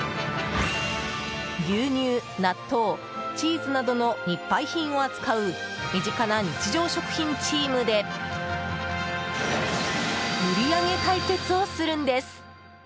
牛乳、納豆、チーズなどの日配品を扱う身近な日常食品チームで売り上げ対決をするんです。